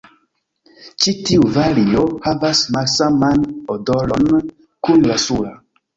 Ĉi tiu vario havas malsaman odoron kun la sura.